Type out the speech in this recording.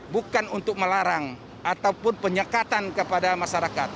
bukan untuk melarang ataupun penyekatan kepada masyarakat